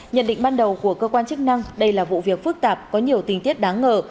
nhận định ban đầu của cơ quan chức năng đây là vụ việc phức tạp có nhiều tình tiết đáng ngờ